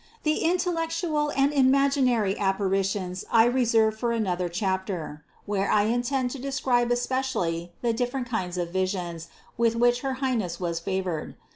The intellectual and imaginary apparitions I reserve for another chapter, where I intend to describe especially the different kinds of visions, with which her Highness was favored.